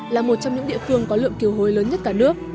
là một trong những địa phương có lượng kiều hối lớn nhất cả nước